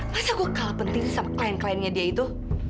masa gue kalah penting sama klien kliennya dia itu